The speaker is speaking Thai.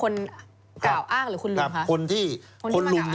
นี่คือฝั่งคนกล่าวอ้างหรือหลุงคะ